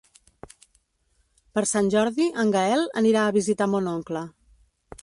Per Sant Jordi en Gaël anirà a visitar mon oncle.